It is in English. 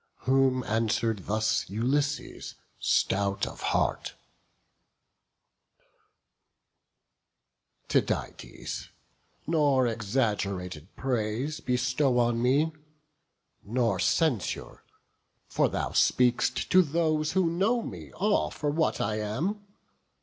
Whom answer'd thus Ulysses, stout of heart: "Tydides, nor exaggerated praise Bestow on me, nor censure; for thou speak'st To those who know me all for what I am.